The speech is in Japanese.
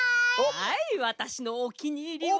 はいわたしのおきにいりは。